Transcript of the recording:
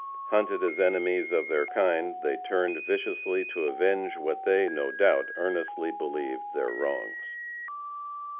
Hunted as enemies of their kind, they turned viciously to avenge what they, no doubt, earnestly believed their wrongs.